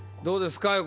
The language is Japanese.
どうですか？